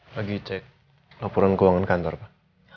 lagi cek laporan ke uang kantor pak